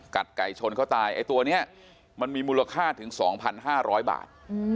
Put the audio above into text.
ไก่ชนเขาตายไอ้ตัวนี้มันมีมูลค่าถึง๒๕๐๐บาท